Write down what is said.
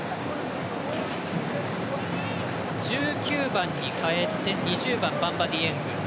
１９番に代えて２０番、バンバ・ディエング。